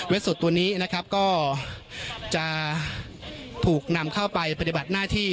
สดตัวนี้นะครับก็จะถูกนำเข้าไปปฏิบัติหน้าที่